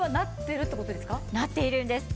なっているんです。